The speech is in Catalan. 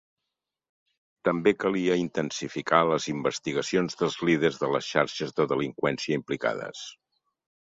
També calia intensificar les investigacions dels líders de les xarxes de delinqüència implicades.